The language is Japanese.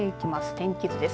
天気図です。